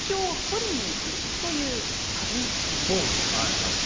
はいはいはい。